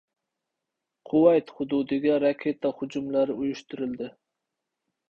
Kuvayt hududiga raketa hujumlari uyushtirildi